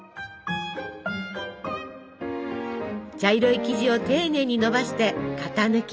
茶色い生地を丁寧にのばして型抜き。